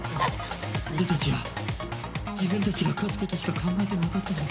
俺たちは自分たちが勝つことしか考えてなかったのに。